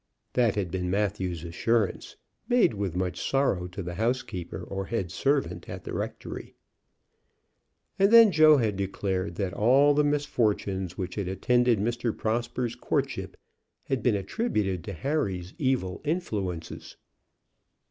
That had been Matthew's assurance, made with much sorrow to the house keeper, or head servant, at the rectory. And then Joe had declared that all the misfortunes which had attended Mr. Prosper's courtship had been attributed to Harry's evil influences.